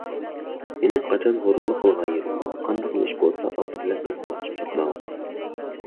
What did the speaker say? مېنىڭ قاچان ھۇرۇنلۇق قىلغان يېرىم بار؟ قانداقلا ئىش بولسا ئالدى بىلەن مەن پالاقشىپ چاپىمەنغۇ!